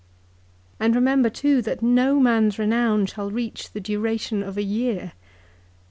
" 'And remember too that no man's renown shall reach the duration of a year.